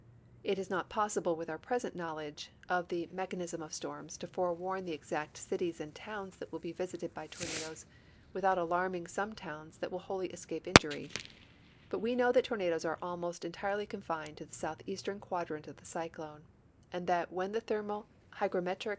It is not ])ossible with our ])rescnt knowledge of the mechan ism of storms to forewarn the exact cities and towns tbiitwill be visited by tornadoes witlu)ut alarming some towns that will w holl}' escai)e injury; but we know that tornadoes are almost entirely confined to the southeastern quadrant of the cyclone, and that when the thermal, hygrometric.